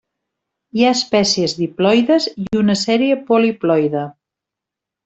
Hi ha espècies diploides i una sèrie poliploide.